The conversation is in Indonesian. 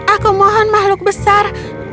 aku mohon makhluk besar